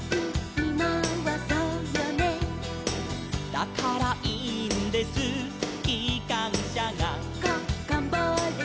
「だからいいんですきかんしゃが」